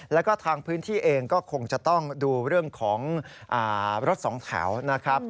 แล้วก็ทางพื้นที่เองก็คงจะต้องดูเรื่องของรถสองแถวนะครับ